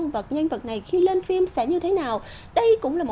và tôi nghĩ rằng là